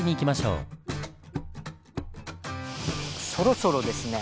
そろそろですね